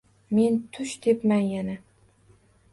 Men tush debman yana